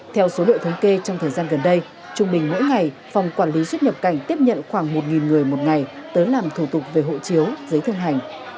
theo số liệu thống kê trong thời gian gần đây trung bình mỗi ngày phòng quản lý xuất nhập cảnh tiếp nhận khoảng một người một ngày tới làm thủ tục về hộ chiếu giấy thông hành